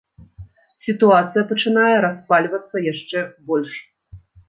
Сітуацыя пачынае распальвацца яшчэ больш.